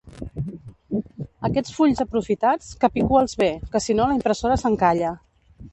Aquests fulls aprofitats, capicula'ls bé, que si no la impressora s'encalla.